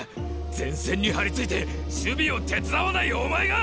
前線に張り付いて守備を手伝わないお前が！